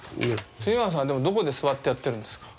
村さんでもどこで座ってやってるんですか？